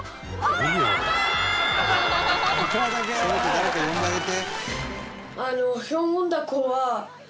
「誰か呼んであげて」